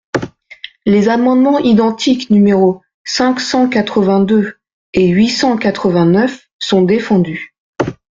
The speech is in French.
Les amendements identiques numéros cinq cent quatre-vingt-deux et huit cent quatre-vingt-neuf sont défendus.